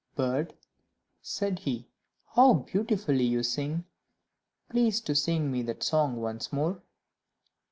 "Bird," said he, "how beautifully you sing! Please to sing me that song once more."